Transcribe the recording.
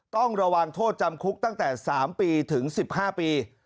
ต้องระวังโทษจำคุกตั้งแต่๓ปีถึง๑๕ปี